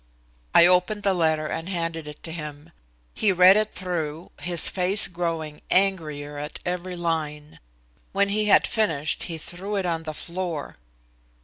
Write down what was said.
I opened the letter and handed it to him. He read it through, his face growing angrier at every line. When he had finished he threw it on the floor.